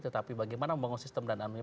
tetapi bagaimana membangun sistem dan amnest